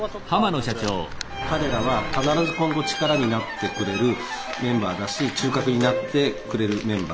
彼らは必ず今後力になってくれるメンバーだし中核になってくれるメンバー。